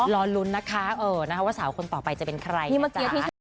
รอลุ้นนะคะว่าสาวคนต่อไปจะเป็นใครนะจ๊ะ